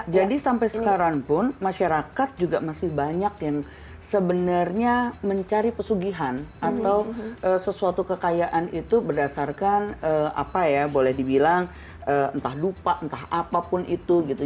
jadi sampai sekarang pun masyarakat juga masih banyak yang sebenarnya mencari pesugihan atau sesuatu kekayaan itu berdasarkan apa ya boleh dibilang entah lupa entah apapun itu gitu